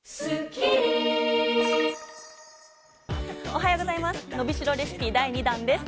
おはようございます。